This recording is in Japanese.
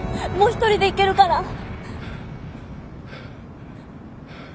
もう一人で行けるから。